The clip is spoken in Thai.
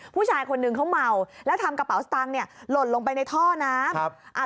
ผู้ชายคนนึงเขาเมาแล้วทำกระเป๋าสตางค์เนี่ยหล่นลงไปในท่อน้ำ